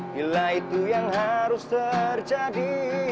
bila itu yang harus terjadi